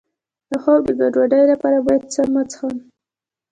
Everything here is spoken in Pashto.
د خوب د ګډوډۍ لپاره باید څه مه څښم؟